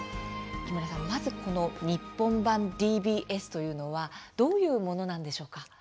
木村さん、まず日本版ＤＢＳとはどういうものなんでしょうか。